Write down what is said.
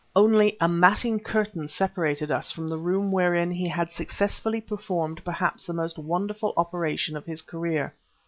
Only a matting curtain separated us from the room wherein he had successfully performed perhaps the most wonderful operation of his career.